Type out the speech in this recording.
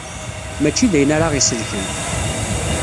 Mačči d ayen ara ɣ-isellken.